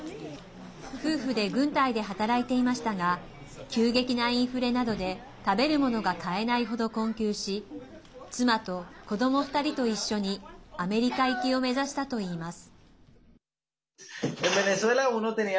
夫婦で軍隊で働いていましたが急激なインフレなどで食べるものが買えないほど困窮し妻と子ども２人と一緒にアメリカ行きを目指したといいます。